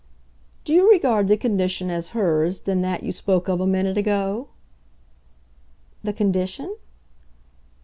"Do you regard the condition as hers then that you spoke of a minute ago?" "The condition